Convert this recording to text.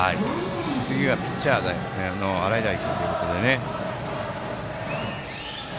次はピッチャーの洗平君ということでね。